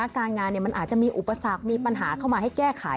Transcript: การงานมันอาจจะมีอุปสรรคมีปัญหาเข้ามาให้แก้ไข